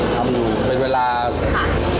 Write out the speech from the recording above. ทำอยู่เป็นเวลา๕๖เดือน